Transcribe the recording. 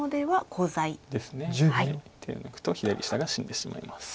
手を抜くと左下が死んでしまいます。